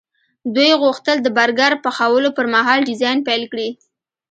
دوی غوښتل د برګر پخولو پرمهال ډیزاین پیل کړي